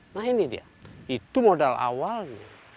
nah ini dia itu modal awalnya